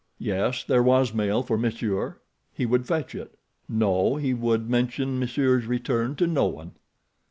Yes, there was mail for monsieur; he would fetch it. No, he would mention monsieur's return to no one.